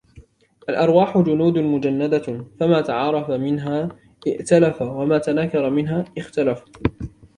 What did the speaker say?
الْأَرْوَاحُ جُنُودٌ مُجَنَّدَةٌ فَمَا تَعَارَفَ مِنْهَا ائْتَلَفَ وَمَا تَنَاكَرَ مِنْهَا اخْتَلَفَ